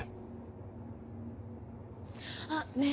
あっねえ